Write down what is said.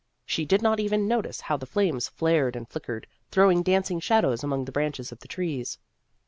(She did not even notice how the flames flared and flickered, throwing dancing shadows among the branches of the trees.)